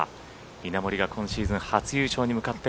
稲森が今シーズン初優勝に向かって